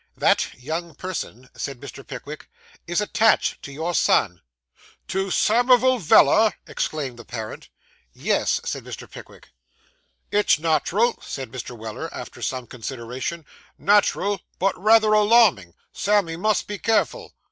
'That young person,' said Mr. Pickwick, 'is attached to your son.' 'To Samivel Veller!' exclaimed the parent. 'Yes,' said Mr. Pickwick. 'It's nat'ral,' said Mr. Weller, after some consideration, 'nat'ral, but rayther alarmin'. Sammy must be careful.